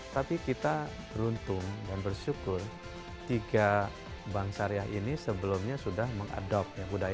tapi kita beruntung dan bersyukur tiga bank syariah ini sebelumnya sudah mengadopt